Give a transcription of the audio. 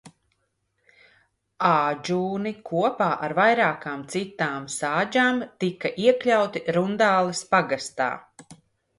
Ādžūni kopā ar vairākām citām sādžām tika iekļauti Rundāles pagastā.